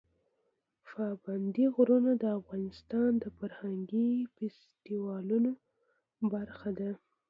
پابندی غرونه د افغانستان د فرهنګي فستیوالونو برخه ده.